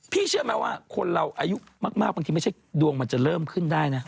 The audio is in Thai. เชื่อไหมว่าคนเราอายุมากบางทีไม่ใช่ดวงมันจะเริ่มขึ้นได้นะ